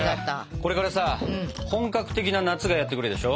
これからさ本格的な夏がやって来るでしょ？